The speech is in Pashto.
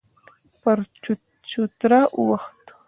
پر چوتره وخوت.